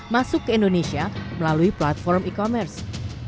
masuk ke indonesia melalui platform e commerce